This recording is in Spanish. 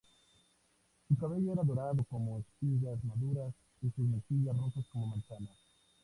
Su cabello era dorado como espigas maduras, y sus mejillas rojas como manzanas.